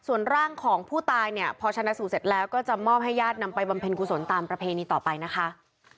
ส่วนร่างของผู้ตายเนี่ยพอชนะสูตรเสร็จแล้วก็จะมอบให้ญาตินำไปบำเพ็ญกุศลตามประเพณีต่อไปนะคะ